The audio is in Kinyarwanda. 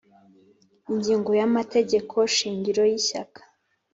Ingingo ya amategeko shingiro y ishyaka